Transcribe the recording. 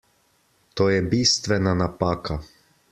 To je bistvena napaka.